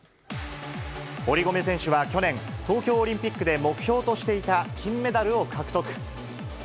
堀米選手は去年、東京オリンピックで目標としていた金メダルを獲得。